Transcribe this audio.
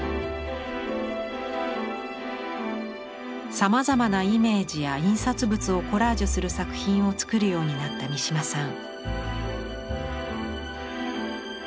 さまざまなイメージや印刷物をコラージュする作品を作るようになった三島さん。